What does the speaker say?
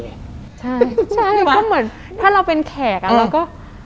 ใช่ใช่เหมือนถ้าเราเป็นแขกอะเราก็